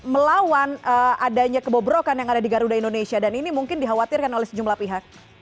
melawan adanya kebobrokan yang ada di garuda indonesia dan ini mungkin dikhawatirkan oleh sejumlah pihak